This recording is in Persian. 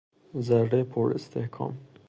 زره پر استحکام